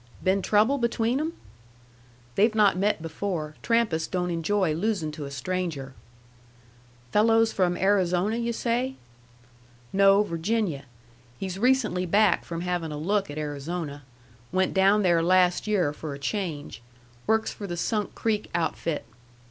"Been trouble between 'em?" "They've not met before. Trampas don't enjoy losin' to a stranger." "Fello's from Arizona, yu' say?" "No. Virginia. He's recently back from havin' a look at Arizona. Went down there last year for a change. Works for the Sunk Creek outfit."